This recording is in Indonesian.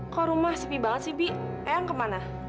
kok rumah sepi sekali bi ayang ke mana